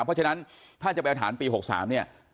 เพราะฉะนั้นถ้าจะไปเอาฐานปี๖๓เนี่ย